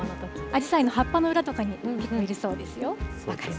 アジサイの葉っぱの裏に結構いるそうですよ。